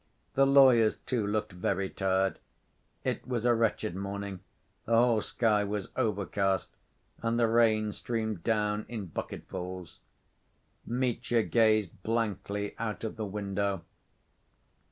The lawyers, too, looked very tired. It was a wretched morning, the whole sky was overcast, and the rain streamed down in bucketfuls. Mitya gazed blankly out of the window.